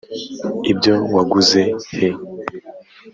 ibyo waguze he?